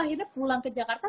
akhirnya pulang ke jakarta